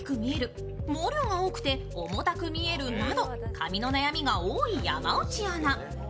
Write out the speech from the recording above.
髪の悩みが多い山内アナ。